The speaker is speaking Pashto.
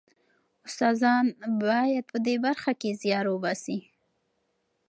استادان باید په دې برخه کې زیار وباسي.